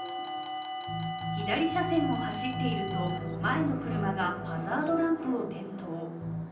左車線を走っていると前の車がハザードランプを点灯。